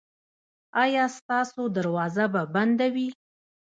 ایا ستاسو دروازه به بنده وي؟